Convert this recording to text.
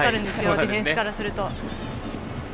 ディフェンスからすると。